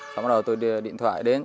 xong bắt đầu tôi điện thoại đến